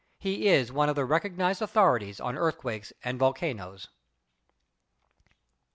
He is one of the recognised author ities on earthquakes and volcanoes.